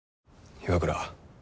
岩倉。